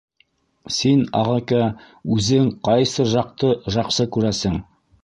— Син, ағакә, үзең ҡайсы жаҡты жаҡсы күрәсең?